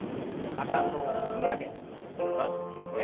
かかとを引き上げて下ろして。